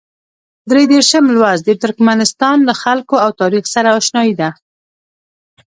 درې دېرشم لوست د ترکمنستان له خلکو او تاریخ سره اشنايي ده.